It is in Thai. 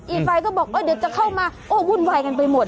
อีกฝ่ายก็บอกเดี๋ยวจะเข้ามาโอ้วุ่นวายกันไปหมด